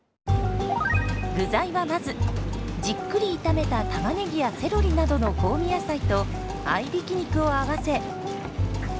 具材はまずじっくり炒めたタマネギやセロリなどの香味野菜と合いびき肉を合わせ。